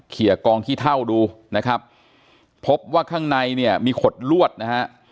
กองขี้เท่าดูนะครับพบว่าข้างในเนี่ยมีขดลวดนะฮะ